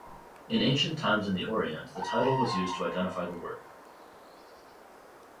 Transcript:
In ancient times in the orient the title was used to identify the work.